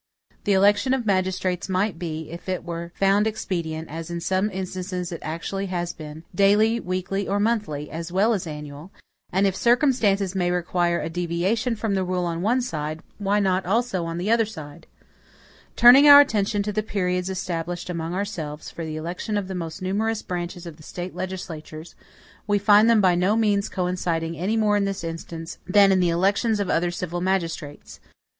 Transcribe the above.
The election of magistrates might be, if it were found expedient, as in some instances it actually has been, daily, weekly, or monthly, as well as annual; and if circumstances may require a deviation from the rule on one side, why not also on the other side? Turning our attention to the periods established among ourselves, for the election of the most numerous branches of the State legislatures, we find them by no means coinciding any more in this instance, than in the elections of other civil magistrates.